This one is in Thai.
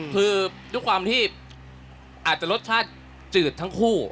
คือด้วยความที่อาจจะรสชาติจืดทั้งคู่